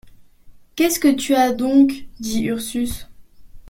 Qu’est-ce que tu as donc ? dit Ursus.